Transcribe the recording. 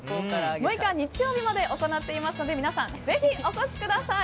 ６日日曜日まで行っていますので皆さんぜひお越しください。